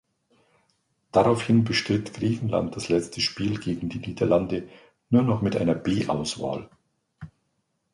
Daraufhin bestritt Griechenland das letzte Spiel gegen die Niederlande nur noch mit einer B-Auswahl.